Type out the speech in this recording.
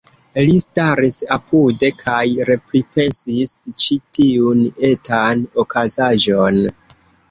Li staris apude, kaj repripensis ĉi tiun etan okazaĵon.